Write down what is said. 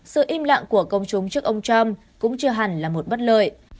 sự im lặng của công chúng trước ông trump cũng chưa hẳn là một lúc